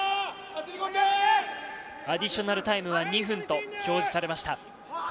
アディショナルタイムは２分と表示されました。